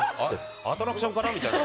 アトラクションかな？